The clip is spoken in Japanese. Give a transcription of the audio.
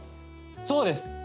そうです。